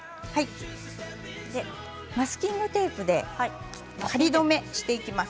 マスキングテープで仮留めしていきます。